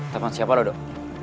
telepon siapa lo dok